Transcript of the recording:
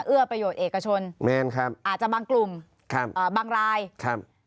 เอื้อประโยชน์เอกชนแมนครับอาจจะบางกลุ่มครับเอ่อบางรายครับ